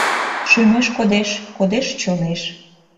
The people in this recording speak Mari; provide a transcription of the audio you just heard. Шÿмеш кодеш, кодеш чонеш